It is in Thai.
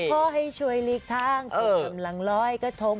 เพราะให้ช่วยหลีกทางที่อำลังรอยกระทง